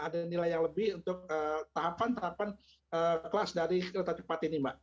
ada nilai yang lebih untuk tahapan tahapan kelas dari kereta cepat ini mbak